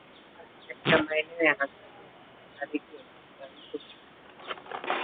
katika maeneo ya kaskazini na mashariki ya kisiwa hicho huvuti sana